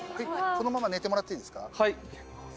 このまま寝てもらっていいですか？